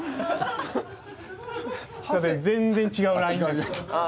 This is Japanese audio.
全然違うラインです。